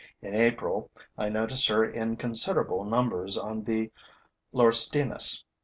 In April, I notice her in considerable numbers on the laurestinus.